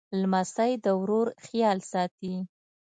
لمسی د ورور خیال ساتي.